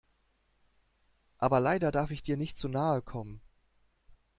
Aber leider darf ich dir nicht zu nahe kommen.